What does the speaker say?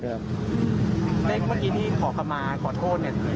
เมื่อกี้ที่ขอกลับมาขอโทษเนี่ย